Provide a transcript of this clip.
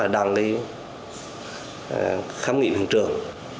đang đi khám nghị bình trường